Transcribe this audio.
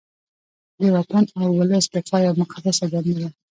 د وطن او ولس دفاع یوه مقدسه دنده ده